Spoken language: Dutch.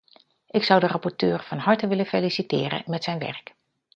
Ik zou de rapporteur van harte willen feliciteren met zijn werk.